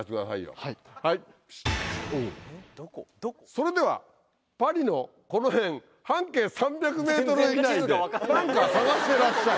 それではパリのこの辺半径３００ｍ以内で何か探してらっしゃい。